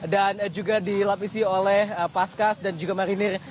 dan juga dilapisi oleh paskas dan juga marinir